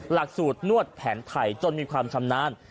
หลักสูตรนวดแผนไทยจนมีความชำนาญ